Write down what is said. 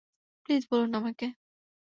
Please, বলুন আমাকে।